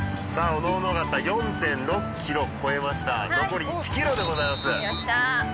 おのおの方４．６ｋｍこえました残り１ｋｍでございますよっしゃ